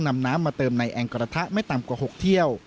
นำน้ำมาเติมในแอ่งกระทะไม่ต่ำกว่า๖เที่ยว